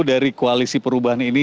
dari koalisi perubahan ini